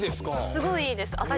すごいいいです。